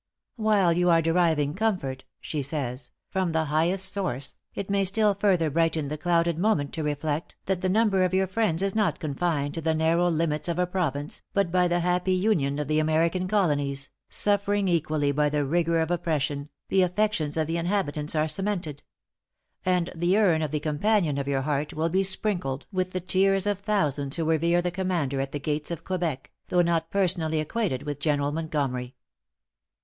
"While you are deriving comfort," she says, "from the highest source, it may still further brighten the clouded moment to reflect that the number of your friends is not confined to the narrow limits of a province, but by the happy union of the American Colonies, (suffering equally by the rigor of oppression,) the affections of the inhabitants are cemented; and the urn of the companion of your heart will be sprinkled with the tears of thousands who revere the commander at the gates of Quebec, though not personally acquainted with General Montgomery."